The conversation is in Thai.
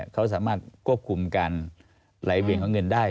เขาสามารถควบคุมการไหลเวียงของเงินได้